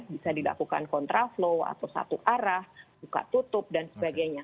bisa dilakukan kontraflow atau satu arah buka tutup dan sebagainya